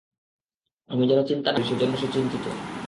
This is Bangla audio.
আমি যেন চিন্তা না করি সেজন্য সে চিন্তিত।